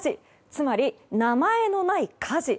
つまり、名前のない家事。